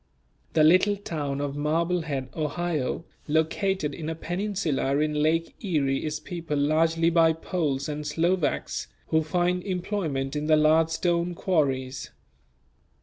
The little town of Marblehead, Ohio, located in a peninsula in Lake Erie is peopled largely by Poles and Slovaks who find employment in the large stone quarries.